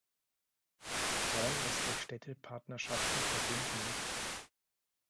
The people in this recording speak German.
Bron ist durch Städtepartnerschaften verbunden mit